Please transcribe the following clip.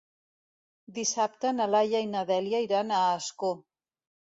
Dissabte na Laia i na Dèlia iran a Ascó.